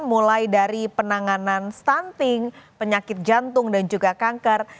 mulai dari penanganan stunting penyakit jantung dan juga kanker